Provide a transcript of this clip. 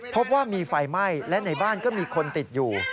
พบว่ามีไฟไหม้และในบ้านก็มีคนติดอยู่